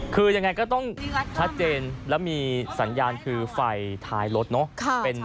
คือยังไงก็ต้องชัดเจนแล้วมีสัญญาณคือไฟท้ายรถเนอะ